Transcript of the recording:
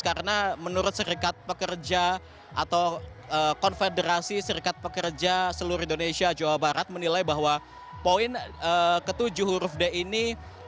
karena menurut serikat pekerja atau konfederasi serikat pekerja seluruh indonesia jawa barat menilai bahwa poin ketujuh huruf d ini